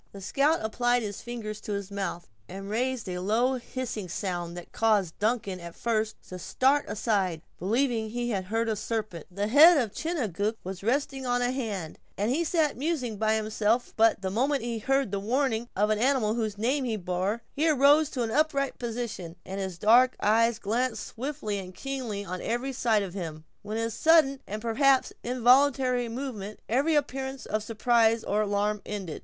The scout applied his fingers to his mouth, and raised a low hissing sound, that caused Duncan at first to start aside, believing that he heard a serpent. The head of Chingachgook was resting on a hand, as he sat musing by himself but the moment he had heard the warning of the animal whose name he bore, he arose to an upright position, and his dark eyes glanced swiftly and keenly on every side of him. With his sudden and, perhaps, involuntary movement, every appearance of surprise or alarm ended.